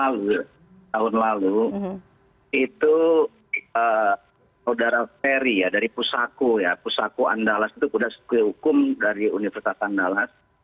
ya kalau kita lihat tahun lalu itu saudara ferry dari pusako pusako andalas itu kuda sekehukum dari universitas andalas